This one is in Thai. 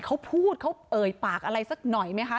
เขาพูดเขาเอ่ยปากอะไรสักหน่อยไหมคะ